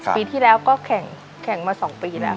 ปีที่แล้วก็แข่งมา๒ปีแล้ว